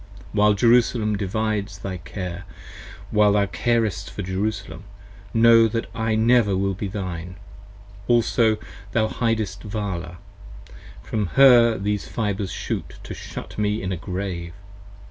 While Jerusalem divides thy care, while thou carest for Jerusalem, Know that I never will be thine: also thou hidest Vala: From her these fibres shoot to shut me in a Grave.